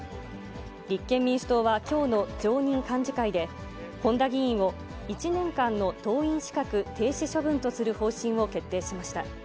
立憲民主党はきょうの常任幹事会で、本多議員を１年間の党員資格停止処分とする方針を決定しました。